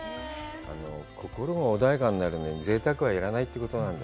心が穏やかになるのにぜいたくは要らないってことなんだ。